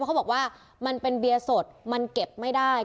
เขาบอกว่ามันเป็นเบียร์สดมันเก็บไม่ได้